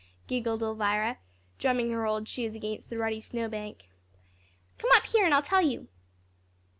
giggled Elvira, drumming her old shoes against the rutty snowbank. "Come up here, an' I'll tell you."